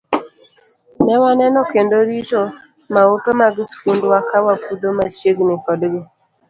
Ne waneno kendo rito maupe mag skundwa ka wapudho machiegni kodgi.